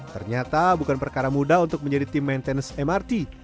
ternyata bukan perkara mudah untuk menjadi tim maintenance mrt